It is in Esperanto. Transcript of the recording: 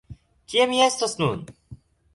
Kie mi estas nun?